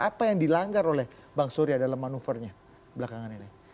apa yang dilanggar oleh bang surya dalam manuvernya belakangan ini